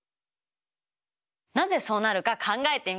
なぜそうなるか考えてみましょう。